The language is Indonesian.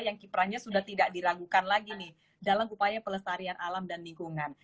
yang kiprahnya sudah tidak diragukan lagi nih dalam upaya pelestarian alam dan lingkungan